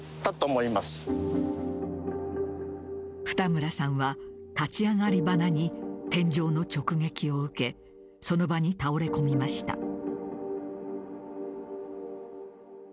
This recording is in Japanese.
二村さんは、立ち上がりばなに天井の直撃を受けその場に倒れ込みました。